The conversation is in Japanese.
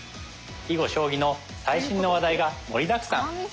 囲碁将棋の最新の話題が盛りだくさん。